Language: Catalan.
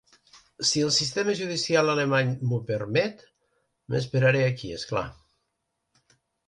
Si el sistema judicial alemany m’ho permet, m’esperaré aquí, és clar.